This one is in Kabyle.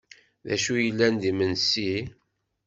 D acu yellan d imensi?